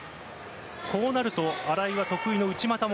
こうなると新井は得意の内股も。